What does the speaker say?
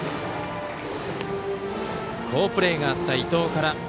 好プレーがあった伊藤から。